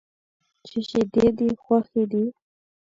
چې شیدې دې خوښ دي.